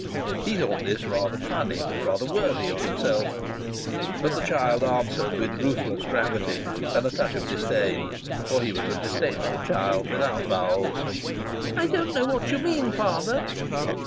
He thought this rather funny, rather worthy of himself, but the child answered with ruthless gravity and a touch of disdain (for he was a disdainful child, without bowels): "I don't know what you mean, father."